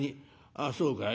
「ああそうかい。